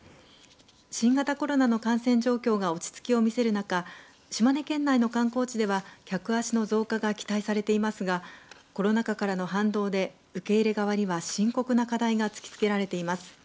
新型コロナの感染状況が落ち着きを見せる中島根県内の観光地では客足の増加が期待されていますがコロナ禍からの反動で受け入れ側には深刻な課題が突き付けられています。